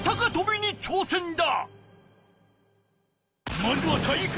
まずは体育ノ